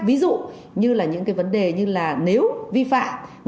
ví dụ như là những cái vấn đề như là nếu vi phạm